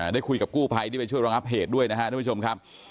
ได้คุยกับกู้ไพที่ไปช่วยรับเหตุด้วยนะครับ